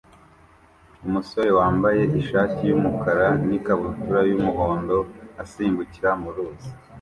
umusore wambaye ishati yumukara n ikabutura yumuhondo asimbukira muruzi